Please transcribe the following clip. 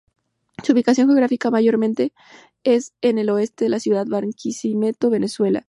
Su ubicación geográfica mayormente es en el oeste la ciudad de Barquisimeto, Venezuela.